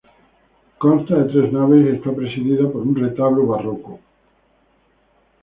Consta de tres naves y está presidida por un retablo barroco.